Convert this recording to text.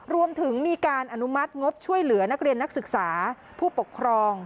รวมถึงมีการอนุมัติงบช่วยเหลือนักเรียนนักศึกษาผู้ปกครอง